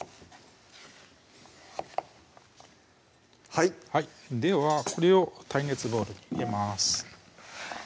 はいではこれを耐熱ボウルに入れます